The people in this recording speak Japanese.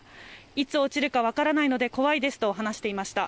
いつ落ちるか羽からないので怖いですと話していました。